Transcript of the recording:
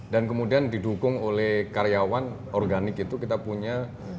dan kemudian didukung oleh karyawan organik itu kita punya tiga belas dua ratus dua puluh